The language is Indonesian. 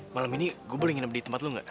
malam ini gue boleh nginep di tempat lu gak